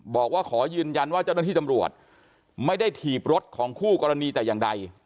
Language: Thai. บอกว่าขอยืนยันว่าเจ้าหน้าที่ตำรวจไม่ได้ถีบรถของคู่กรณีแต่อย่างใด